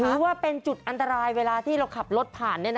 หรือว่าเป็นจุดอันตรายเวลาที่เราขับรถผ่าน